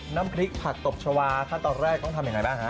น้ำพริกผักตบชาวาขั้นตอนแรกต้องทำยังไงบ้างฮะ